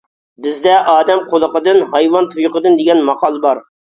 بىزدە «ئادەم قۇلىقىدىن، ھايۋان تۇيىقىدىن» دېگەن ماقال بار.